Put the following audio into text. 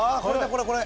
これこれ。